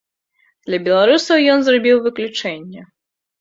Для беларусаў ён зрабіў выключэнне.